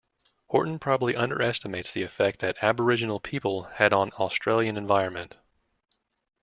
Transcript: Horton probably underestimates the effect that Aboriginal people have had on Australian environment.